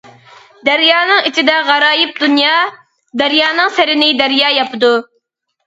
دەريانىڭ ئىچىدە غارايىپ دۇنيا، دەريانىڭ سىرىنى دەريا ياپىدۇ.